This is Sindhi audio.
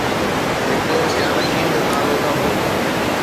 هڪ جانشين جو نالو نه هو